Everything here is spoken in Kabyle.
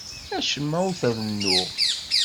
Acemma ur t-rennuɣ.